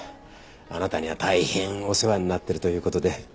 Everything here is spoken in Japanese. あなたには大変お世話になってるということで。